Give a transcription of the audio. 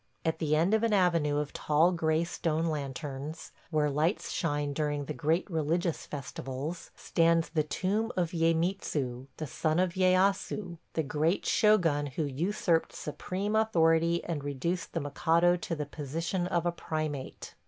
... At the end of an avenue of tall gray stone lanterns – where lights shine during the great religious festivals – stands the tomb of Ieymitsu, the son of Ieyasu, the great shogun who usurped supreme authority and reduced the mikado to the position of a primate.